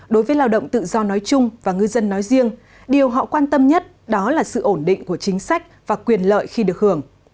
đối với lao động tự do nói chung và ngư dân nói riêng điều họ quan tâm nhất đó là sự ổn định của chính sách và quyền lợi khi được hưởng